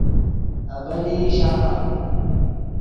ابیلئی شامم